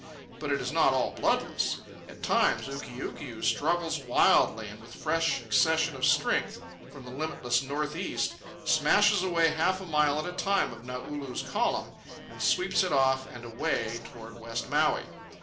But it is not all bloodless. At times Ukiukiu struggles wildly, and with fresh accessions of strength from the limitless north east, smashes away half a mile at a time of Naulu's column and sweeps it off and away toward West Maui.